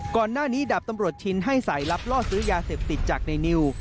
ก่อนหน้านี้ดาบตำรวจชินให้สายลับล่อซื้อยาเสพติดจากในนิว